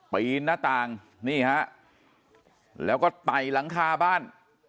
ปีนหน้าต่างนี่ฮะแล้วก็ไต่หลังคาบ้าน